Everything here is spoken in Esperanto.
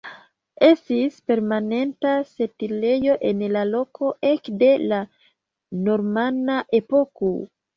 Estis permanenta setlejo en la loko ekde la normana epoko.